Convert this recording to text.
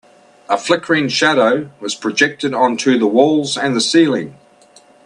A flickering shadow was projected onto the walls and the ceiling.